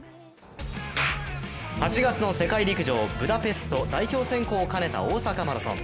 ８月の世界陸上ブダペスト代表選考を兼ねた大阪マラソン。